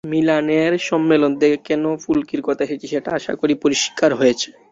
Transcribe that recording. মিলানের সম্মেলন থেকে কেন ফুলকির কথায় এসেছি, সেটা আশা করি পরিষ্কার হয়েছে।